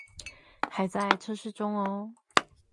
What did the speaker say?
還在測試中